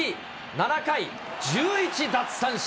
７回１１奪三振。